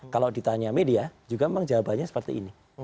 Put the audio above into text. pertanyaan media juga memang jawabannya seperti ini